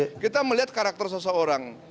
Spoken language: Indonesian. ini kan kita melihat karakter seseorang